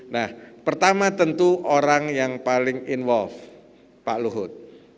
nah pertama tentu orang yang paling involve pak luhut